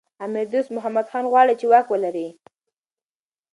امیر دوست محمد خان غواړي چي واک ولري.